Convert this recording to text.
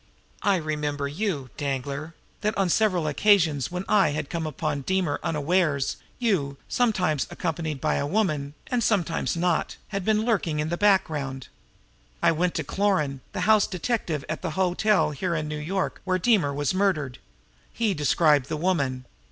I remembered you, Danglar that on several occasions when I had come upon Deemer unawares, you, sometimes accompanied by a woman, and sometimes not, had been lurking in the background. I went to Cloran, the house detective at the hotel here in New York where Deemer was murdered. He described the woman.